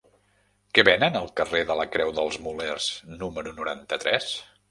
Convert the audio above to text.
Què venen al carrer de la Creu dels Molers número noranta-tres?